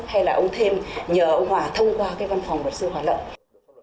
hay là ông thêm nhờ ông hòa thông qua cái văn phòng luật sư hòa lợi